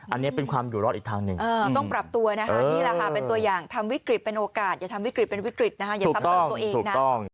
อันนี้เป็นความอยู่รอดอีกทางหนึ่งต้องปรับตัวนะคะนี่แหละค่ะเป็นตัวอย่างทำวิกฤตเป็นโอกาสอย่าทำวิกฤตเป็นวิกฤตนะคะอย่าซ้ำเติมตัวเองนะ